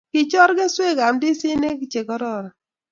Kokichor keswek ab ndizik che kororon